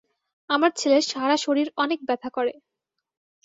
আমার ছেলের সারা শরীর অনেক ব্যথা করে।